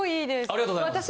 ありがとうございます。